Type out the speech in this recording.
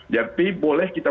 tapi boleh kita